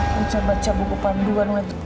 baca baca buku panduan lagi